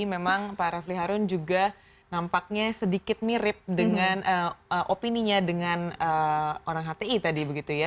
memang pak refli harun juga nampaknya sedikit mirip dengan opininya dengan orang hti tadi begitu ya